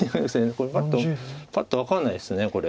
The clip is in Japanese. これパッと分かんないですこれ。